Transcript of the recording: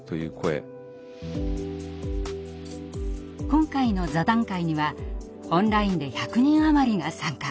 今回の座談会にはオンラインで１００人余りが参加。